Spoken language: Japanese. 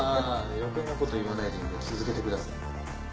余計な事言わないでいいんで続けてください。